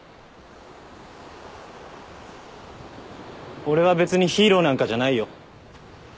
俺は別にヒーローなんかじゃないよ。